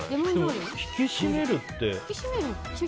引き締めるって。